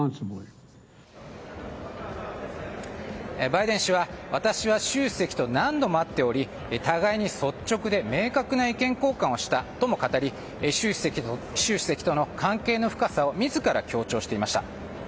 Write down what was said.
バイデン氏は私は習主席と何度も会っており互いに率直で明確な意見交換をしたとも語り習主席との関係の深さを自ら強調していました。